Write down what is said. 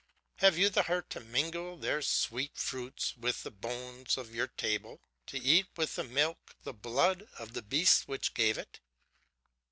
Have you the heart to mingle their sweet fruits with the bones upon your table, to eat with the milk the blood of the beasts which gave it?